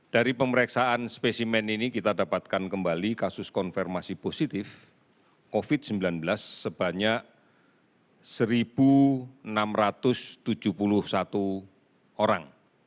dari pemeriksaan spesimen ini kita dapatkan kembali kasus konfirmasi positif covid sembilan belas sebanyak satu enam ratus tujuh puluh satu orang